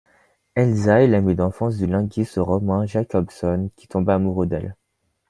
Elsa est l’amie d'enfance du linguiste Roman Jakobson qui tomba amoureux d'elle.